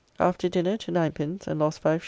After dinner to ninepins and lost 5s.